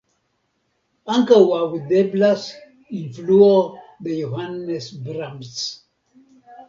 Ankaŭ aŭdeblas influo de Johannes Brahms.